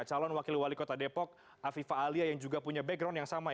calon wakil wali kota depok afifah alia yang juga punya background yang sama